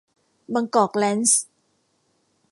บางกอกแร้นช์